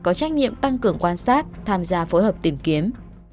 có trách nhiệm tăng cường quan sát tham gia phối hợp tìm kiếm